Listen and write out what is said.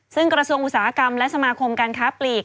ซึ่งกระทรวงอุตสาหกรรมและสมาคมการค้าปลีก